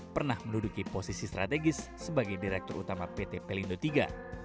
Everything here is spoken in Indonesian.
pernah menduduki posisi strategis sebagai direktur utama pt pelindo iii